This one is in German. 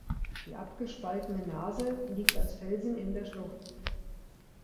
Die abgespaltene Nase liegt als Felsen in der Schlucht.